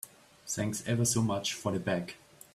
Thanks ever so much for the bag.